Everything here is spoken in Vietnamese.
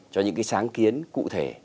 cho những cái sáng kiến cụ thể